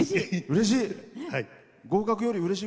うれしい。